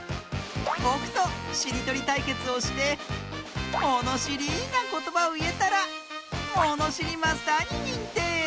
ぼくとしりとりたいけつをしてものしりなことばをいえたらものしりマスターににんてい！